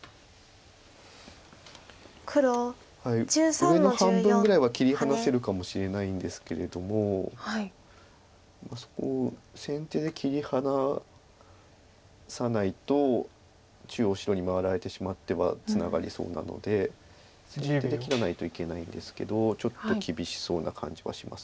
上の半分ぐらいは切り離せるかもしれないんですけれどもそこを先手で切り離さないと中央白に回られてしまってはツナがりそうなので先手で切らないといけないんですけどちょっと厳しそうな感じはします。